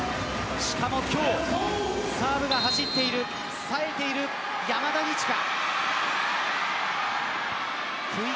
しかも今日サーブが走っているさえている山田二千華。